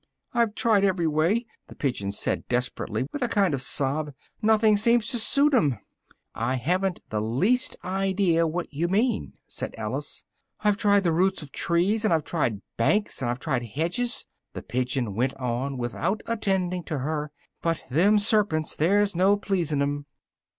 "I've tried every way!" the pigeon said desperately, with a kind of sob: "nothing seems to suit 'em!" "I haven't the least idea what you mean," said Alice. "I've tried the roots of trees, and I've tried banks, and I've tried hedges," the pigeon went on without attending to her, "but them serpents! There's no pleasing 'em!"